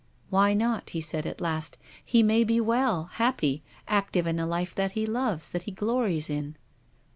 "Why not?" he said at last. "He may be well, happy, active in a life that he loves, that he glories in."